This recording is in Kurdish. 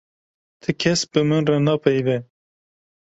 Ti kes bi min re napeyive.